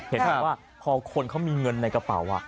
เห็นบอกว่าพอคนเขามีเงินในกระเป๋า